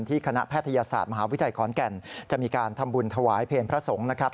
คณะแพทยศาสตร์มหาวิทยาลัยขอนแก่นจะมีการทำบุญถวายเพลงพระสงฆ์นะครับ